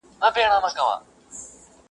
• ګورﺉقاسم یار چي په ګناه کي هم تقوا کوي..